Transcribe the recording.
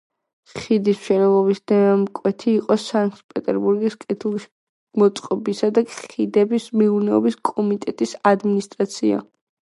ხიდის მშენებლობის დამკვეთი იყო სანქტ-პეტერბურგის კეთილმოწყობისა და ხიდების მეურნეობის კომიტეტის ადმინისტრაცია.